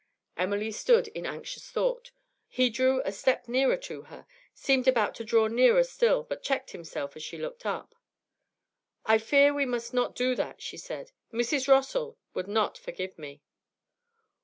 Emily stood in anxious thought. He drew a step nearer to her; seemed about to draw nearer still, but checked himself as she looked up. 'I fear we must not do that,' she said. 'Mrs. Rossall would not forgive me.'